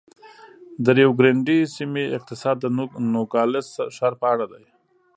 د ریو ګرنډي سیمې اقتصاد د نوګالس ښار په اړه دی.